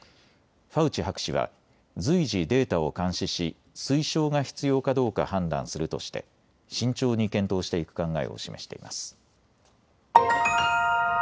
ファウチ博士は随時、データを監視し推奨が必要かどうか判断するとして慎重に検討していく考えを示しています。